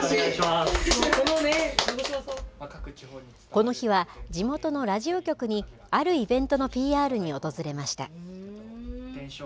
この日は地元のラジオ局にあるイベントのＰＲに訪れました。